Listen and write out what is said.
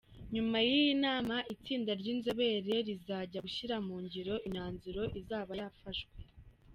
Nyuma y’iyi nama itsinda ry’inzobere zizajya gushyira mu ngiro imyanzuro izaba yafashwe.